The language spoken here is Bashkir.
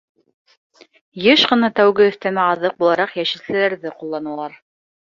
Йыш ҡына тәүге өҫтәмә аҙыҡ булараҡ йәшелсәләрҙе ҡулланалар.